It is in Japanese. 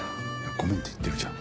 ごめんって言ってるじゃん。